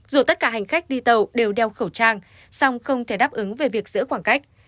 dù tất cả hành khách đi tàu đều đeo khẩu trang song không thể đáp ứng về việc giữ khoảng cách